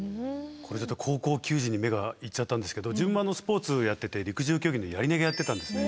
これちょっと高校球児に目が行っちゃったんですけど自分もスポーツやってて陸上競技のやり投げやってたんですね。